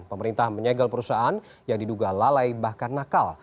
pemerintah menyegel perusahaan yang diduga lalai bahkan nakal